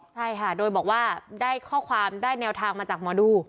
ใช่ค่ะโดยบอกว่าได้ข้อความได้แนวทางมาจากหมอดู